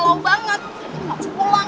loh banget masuk pulang